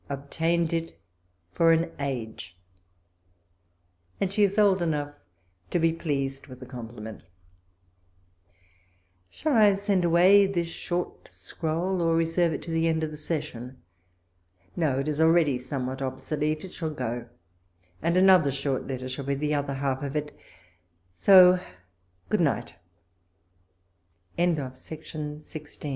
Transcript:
Obtained It for an age! 156 walpole's letters And she is old enough to be pleased with the compliment Shall 1 send away this short scroll, or reserve it to the end of the session / No, it is already somewhat obsolete : it shall go, and another short letter shall be the other half of it— so, good nigh